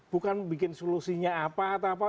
bukan bikin solusinya apa atau apa